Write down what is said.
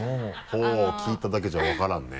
ほぉ聞いただけじゃ分からんね。